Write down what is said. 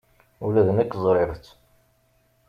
Ula d nekk ẓriɣ-tt.